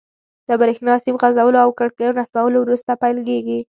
له بریښنا سیم غځولو او کړکیو نصبولو وروسته پیل کیږي.